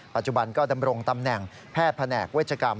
ปัจจุบันก็ดำรงตำแหน่งแพทย์แผนกเวชกรรม